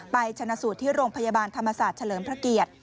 ชนะสูตรที่โรงพยาบาลธรรมศาสตร์เฉลิมพระเกียรติ